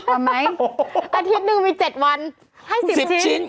เอาไหมอาทิตย์หนึ่งมี๗วันให้๑๐ชิ้น